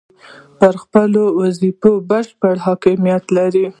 پر خپلې وظیفې بشپړ حاکمیت لري.